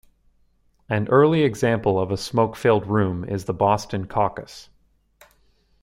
An early example of a smoke-filled room is the Boston Caucus.